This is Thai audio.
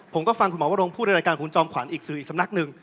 ผมก็ฟังคุณหมอวรงพูดในรายการคุณจอมขวัญอีกสื่ออีกสำนักหนึ่ง